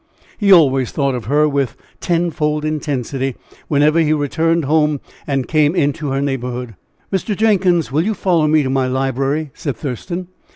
He always thought of her with tenfold intensity whenever he returned home and came into her neighborhood. "Mr. Jenkins, will you follow me to my library?" said Thurston.